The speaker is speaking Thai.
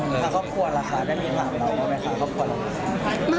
ค่ะครอบครัวล่ะค่ะได้มีข่าวตอบมาไหมค่ะค่ะครอบครัวล่ะค่ะ